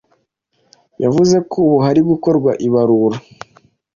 Yavuze ko ubu hari gukorwa ibarura